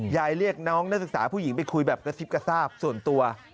เรียกน้องนักศึกษาผู้หญิงไปคุยแบบกระซิบกระซาบส่วนตัว